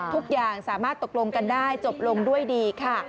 ทุกอย่างสามารถตกลงกันได้จบลงด้วยดีค่ะ